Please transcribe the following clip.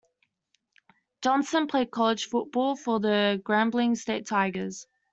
Johnson played college football for the Grambling State Tigers.